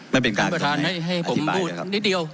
ไม่เป็นไรท่านประธานให้ผมพูดนิดเดียว